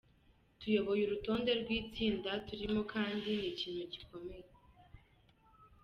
Tuyoboye urutonde rw’itsinda turimo kandi ni ikintu gikomeye.